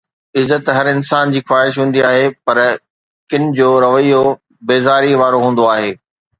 عزت هر انسان جي خواهش هوندي آهي، پر ڪن جو رويو بيزاري وارو هوندو آهي